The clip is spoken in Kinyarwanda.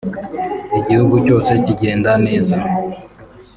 igihugu cyose kigenda neza